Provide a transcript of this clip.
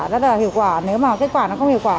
rất là hiệu quả nếu mà kết quả nó không hiệu quả